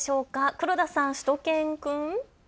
黒田さん、しゅと犬くん。